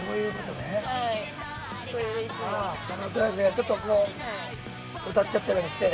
◆ちょっとこう歌っちゃったりなんかして。